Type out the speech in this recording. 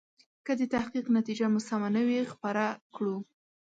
که د تحقیق نتیجه مو سمه نه وي خپره کړو.